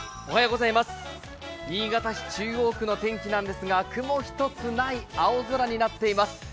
新潟市中央区の天気なんですが雲一つない青空になっています。